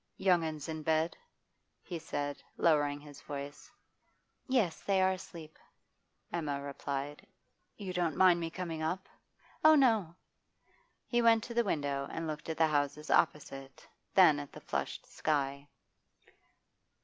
'Young 'uns in bed?' he said, lowering his voice. 'Yes, they are asleep,' Emma replied. 'You don't mind me coming up?' 'Oh no!' He went to the window and looked at the houses opposite, then at the flushed sky.